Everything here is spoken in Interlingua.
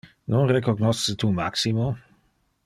Non recognosce tu Maximo?